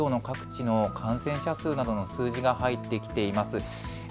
きょうの各地の感染者数などの数字が入ってきています。